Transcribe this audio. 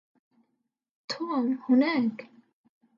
توم هناك.